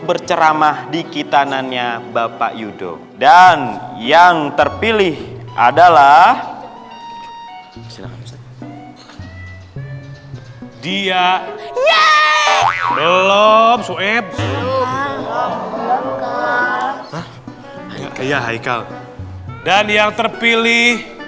berceramah dikitanannya bapak yudho dan yang terpilih adalah dia belum suet dan yang terpilih